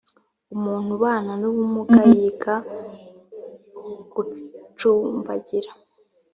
umuntu ubana n'ubumuga yiga gucumbagira.